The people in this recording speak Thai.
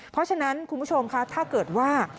เพราะฉะนั้นคุณผู้ชมคะถ้าเกิดว่า